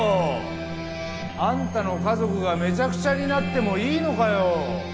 あんたの家族がめちゃくちゃになってもいいのかよ？